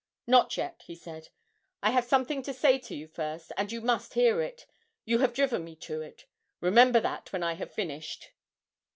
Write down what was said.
'Not yet,' he said. 'I have something to say to you first, and you must hear it you have driven me to it.... Remember that, when I have finished!'